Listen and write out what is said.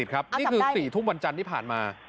อ้าวจับได้นี่คือสี่ทุกวันจันทร์ที่ผ่านมา